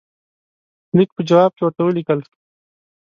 لیک په جواب کې ورته ولیکل.